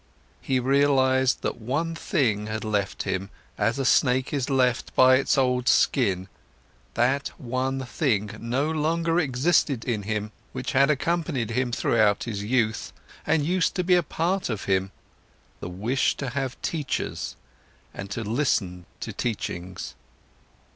He realized that one thing had left him, as a snake is left by its old skin, that one thing no longer existed in him, which had accompanied him throughout his youth and used to be a part of him: the wish to have teachers and to listen to teachings.